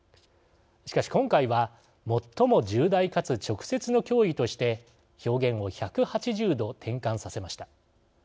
しかし今回は最も重大かつ直接の脅威として、表現を１８０度転換させました。